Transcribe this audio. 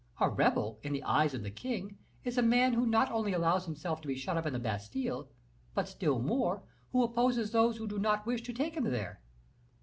"A rebel, in the eyes of the king, is a man who not only allows himself to be shut up in the Bastile, but still more, who opposes those who do not wish to take him there."